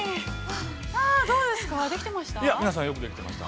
どうですか、できてました？